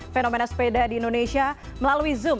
fenomena sepeda di indonesia melalui zoom